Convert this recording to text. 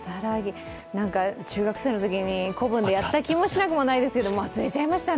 なんか中学生のときに古文でやった気もしなくもないですけど忘れちゃいましたね。